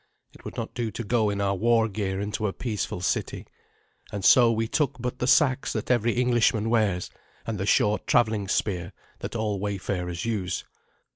It would not do to go in our war gear into a peaceful city; and so we took but the seax that every Englishman wears, and the short travelling spear that all wayfarers use.